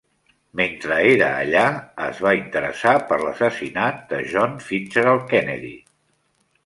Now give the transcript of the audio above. Mentre era allà, es va interessar per l'assassinat de John F. Kennedy.